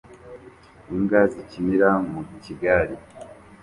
Imbwa zikinira mu gikari